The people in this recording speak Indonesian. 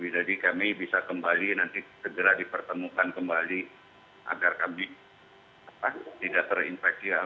jadi kami bisa kembali nanti segera dipertemukan kembali agar kami tidak terinfeksi